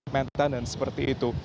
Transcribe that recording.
maintenance seperti itu